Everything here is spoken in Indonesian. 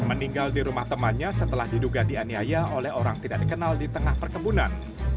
meninggal di rumah temannya setelah diduga dianiaya oleh orang tidak dikenal di tengah perkebunan